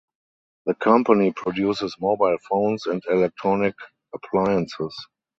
The company produces mobile phones and electronic appliances.